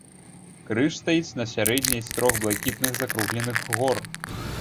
Крыж стаіць на сярэдняй з трох блакітных закругленых гор.